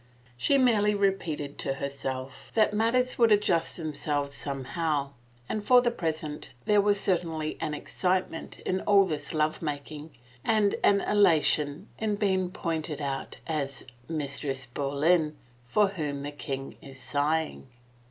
She merely repeated to herself that matters 79 THE FAVOR OF KINGS would adjust themselves somehow, and for the present, there was certainly an excitement in all this love making and an elation in being pointed out as the " Mistress Boleyn for whom the king is sighing."